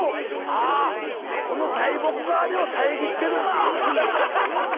あこの大木があれを遮ってるか。